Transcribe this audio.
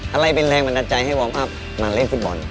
อะไรเป็นแรงบันดาลใจให้วอร์มอัพมาเล่นฟุตบอล